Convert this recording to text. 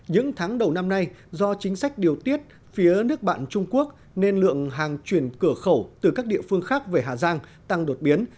những tháng đầu năm nay do chính sách điều tiết phía nước bạn trung quốc nên lượng hàng chuyển cửa khẩu từ các địa phương khác về hà giang tăng đột biến